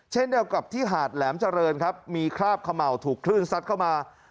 เช่นเดียวกับที่หาดแหลมเจริญครับมีคราบเขม่าวถูกคลื่นซัดเข้ามา